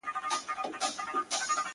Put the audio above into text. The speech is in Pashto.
د دروازې پر سر یې ګل کرلي دینه-